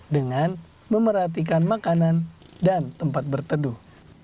dengan memerhatikan makanan dan tempat berteduh